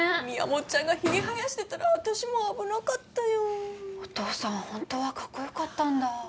みやもっちゃんがヒゲ生やしてたら私も危なかったよお父さんホントはカッコよかったんだ